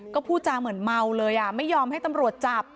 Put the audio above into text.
ก็พูดจาเหมือนเมาเลยไม่ยอมให้ตำรวจจับ